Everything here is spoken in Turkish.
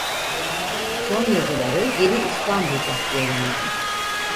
Son yazıları "Yeni İstanbul"'da yayınlandı.